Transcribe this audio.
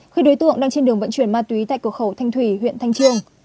khi đối tượng đang trên đường vận chuyển ma túy tại cửa khẩu thanh thủy huyện thanh trương